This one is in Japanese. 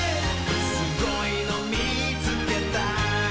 「すごいのみつけた」